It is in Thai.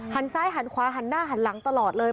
ซ้ายหันขวาหันหน้าหันหลังตลอดเลย